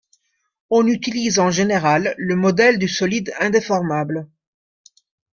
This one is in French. On utilise en général le modèle du solide indéformable.